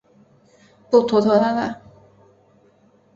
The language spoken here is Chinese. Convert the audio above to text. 不拖拖拉拉。